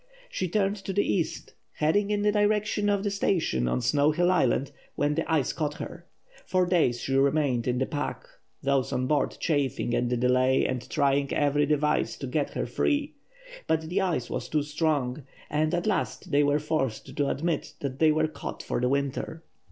She turned to the east, heading in the direction of the station on Snow Hill Island, when the ice caught her. For days she remained in the pack, those on board chafing at the delay and trying every device to get her free. But the ice was too strong, and at last they were forced to admit that they were caught for the winter.